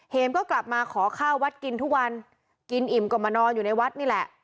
มก็กลับมาขอข้าววัดกินทุกวันกินอิ่มก็มานอนอยู่ในวัดนี่แหละ